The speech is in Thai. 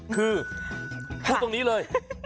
คือพูดตรงนี้เลย